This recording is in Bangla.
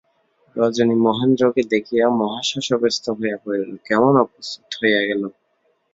রজনী মহেন্দ্রকে দেখিয়া মহা শশব্যস্ত হইয়া পড়িল, কেমন অপ্রস্তুত হইয়া গেল।